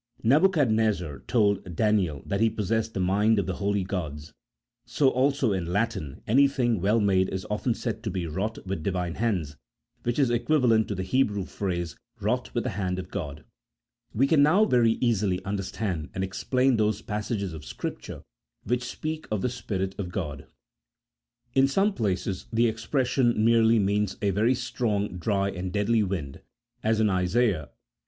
Nebuchadnezzar told Daniel that he possessed the mind of the holy gods ; so also in Latin anything well made is often said to be wrought with Divine hands, which is equivalent to the Hebrew phrase, wrought with the hand of God. 22 A THEOLOGICO POLITICAL TREATISE. [CHAP. I. We can now very easily understand and explain those passages of Scripture which speak of the Spirit of God. In some places the expression merely means a very strong, dry, and deadly wind, as in Isaiah xl.